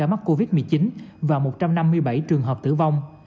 mắc covid một mươi chín và một trăm năm mươi bảy trường hợp tử vong